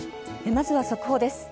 まずは速報です。